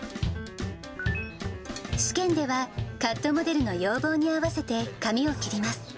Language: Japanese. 試験では、カットモデルの要望に合わせて髪を切ります。